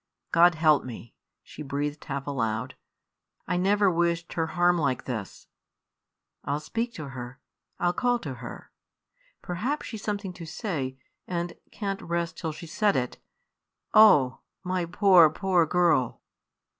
"God help me!" she breathed half aloud. "I never wished her harm like this; I'll speak to her; I'll call to her. Perhaps she's something to say, and can't rest till she's said it. Oh! my poor, poor girl!"